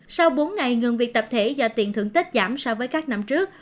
sau bốn ngày ngừng việc tập thể do tiền thượng tích giảm so với các năm trước